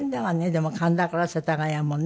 でも神田から世田谷もね。